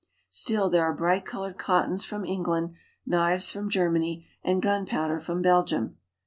Still there are bright colored cottons from England, knives from Germany, and gunpowder from Belgium.